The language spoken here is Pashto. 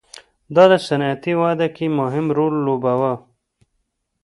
دا د صنعتي وده کې مهم رول ولوباوه.